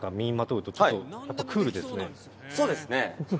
そうですね